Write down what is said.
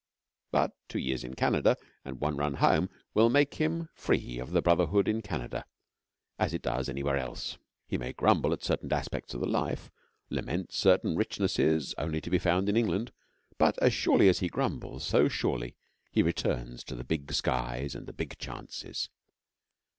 But two years in Canada and one run home will make him free of the Brotherhood in Canada as it does anywhere else. He may grumble at certain aspects of the life, lament certain richnesses only to be found in England, but as surely as he grumbles so surely he returns to the big skies, and the big chances.